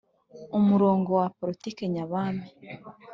umurongo wa politiki nyabami